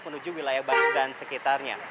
menuju wilayah bandung dan sekitarnya